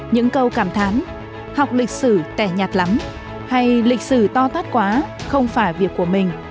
những câu cảm thán học lịch sử tẻ nhạt lắm hay lịch sử to tát quá không phải việc của mình